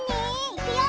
いくよ。